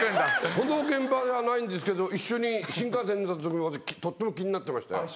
その現場じゃないんですけど一緒に新幹線乗った時私とっても気になってましたよ。